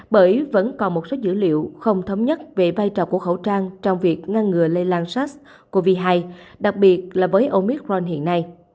bởi vẫn còn một số dữ liệu không thống nhất về vai trò của khẩu trang trong việc ngăn ngừa lây lan sars cov hai đặc biệt là với omicron hiện nay